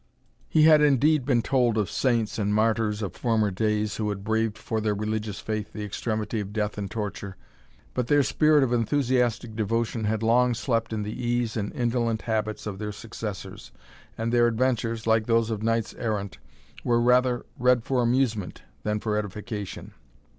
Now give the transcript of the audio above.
He had indeed been told of saints and martyrs of former days, who had braved for their religious faith the extremity of death and torture. But their spirit of enthusiastic devotion had long slept in the ease and indolent habits of their successors, and their adventures, like those of knights errant, were rather read for amusement than for edification.